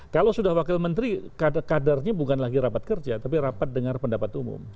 kalau sudah wakil menteri kadarnya bukan lagi rapat kerja tapi rapat dengar pendapat umum